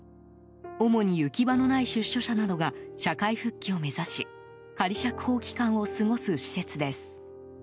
主に行き場のない出所者などが社会復帰を目指し仮釈放期間を過ごす施設です。